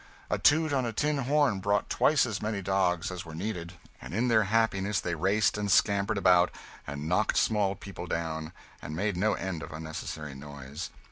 A toot on a tin horn brought twice as many dogs as were needed, and in their happiness they raced and scampered about, and knocked small people down, and made no end of unnecessary noise.